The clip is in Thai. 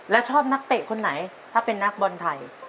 แล้วชอบนักเตะคนไหนถ้าเป็นนักบอลไทย